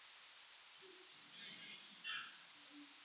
ইহা তো স্পষ্টই বোঝা যায় যে, স্বর্গবাসীদের বেশী সহানুভূতি নাই।